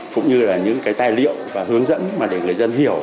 cũng như là những tài liệu và hướng dẫn để người dân hiểu